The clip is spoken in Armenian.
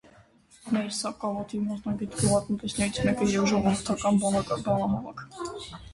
- Մեր սակավաթիվ մասնագետ գյուղատնտեսներից մեկը և ժողովրդական բանահավաք: